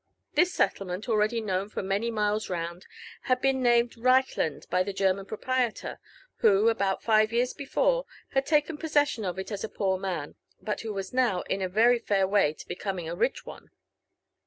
This settlement, already well known for many miles round, had been naoied Reichland by the German proprietor, who, about five years be fore, had taken possession of it as a poor man, but who was now in a tery fair way of becoming a rich one.